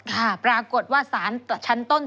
ค่ะปรากฏว่าสารชั้นต้น